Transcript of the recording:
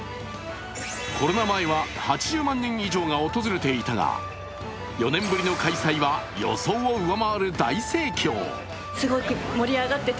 コロナ前は８０万人以上が訪れていたが４年ぶりの開催は予想を上回る大盛況。